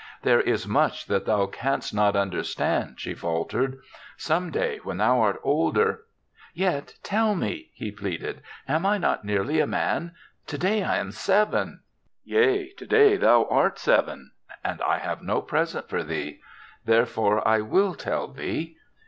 "There is much that thou canst not understand," she faltered, " Some day, when thou art older ^"" Yet tell me," he pleaded. " Am I not nearly a man? Today I am seven." "Yea, today thou art seven and I have no present for thee; therefore I will tell thee.